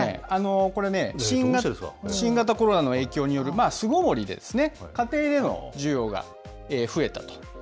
これね、新型コロナの影響による巣ごもりでですね、家庭での需要が増えたと。